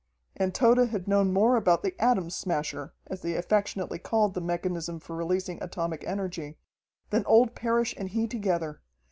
And Tode had known more about the Atom Smasher as they affectionately called the mechanism for releasing atomic energy than old Parrish and he together.